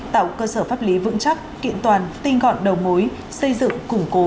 tạo cơ sở pháp lý vững chắc kiện toàn tinh gọn đầu mối xây dựng củng cố